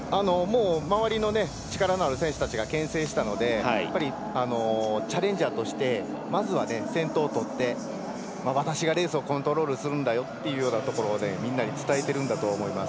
周りの力のある選手たちがけん制したのでチャレンジャーとしてまずは先頭をとって私がレースをコントロールするんだよっていうところをみんなに伝えてるんだと思います。